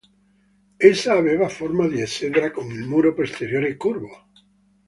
Essa aveva forma di esedra con il muro posteriore curvo.